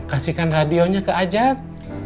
kasihkan radionya ke a'ajat